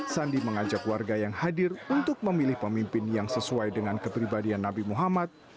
sandi mengajak warga yang hadir untuk memilih pemimpin yang sesuai dengan kepribadian nabi muhammad